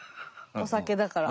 お酒だから。